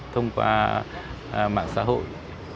thông qua mạng xã hội